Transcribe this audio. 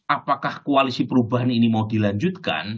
apakah koalisi perubahan ini mau dilanjutkan